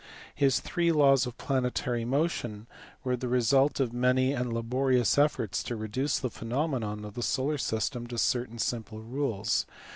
His three laws of planetary motion were the result of many and laborious efforts to reduce the phenomena of the solar system to certain simple rules.